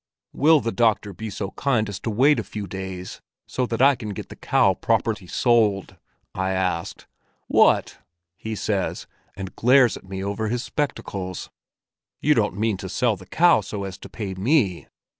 'Will the doctor be so kind as to wait a few days so that I can get the cow properly sold?' I asked. 'What!' he says, and glares at me over his spectacles. 'You don't mean to sell the cow so as to pay me?